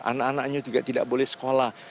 anak anaknya juga tidak boleh sekolah